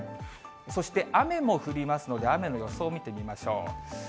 そして雨も降りますので、雨の予想見てみましょう。